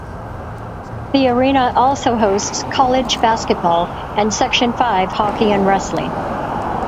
The arena also hosts college basketball, and Section Five hockey and wrestling.